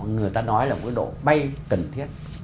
nói là một cái độ bay cần thiết